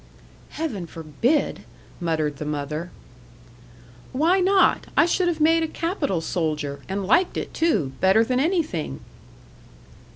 "Heaven forbid!" muttered the mother. "Why not? I should have made a capital soldier, and liked it too, better than anything."